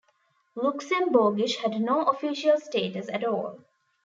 Luxembourgish had no official status at all.